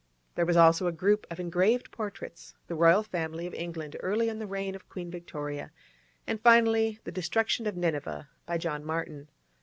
There was also a group of engraved portraits, the Royal Family of England early in the reign of Queen Victoria; and finally, 'The Destruction of Nineveh,' by John Martin.